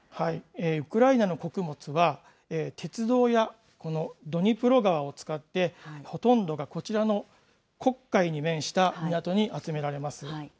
ウクライナの穀物は、鉄道やこのドニプロ川を使って、ほとんどがこちらの黒海に面した港に集められます。